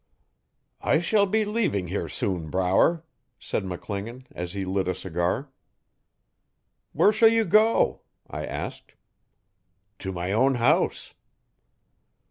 'I shall be leaving here soon, Brower,' said McGlingan as he lit a cigar. 'Where shall you go?' I asked. 'To my own house.